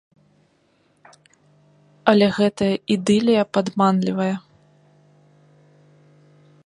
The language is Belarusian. Але гэтая ідылія падманлівая.